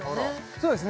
そうですね